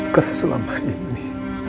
karena selama ini